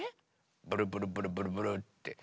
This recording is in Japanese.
ブルブルブルブルブルって。